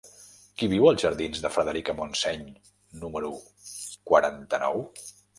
Qui viu als jardins de Frederica Montseny número quaranta-nou?